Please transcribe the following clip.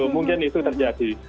mungkin itu terjadi